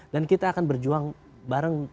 dan kita akan berjuang bareng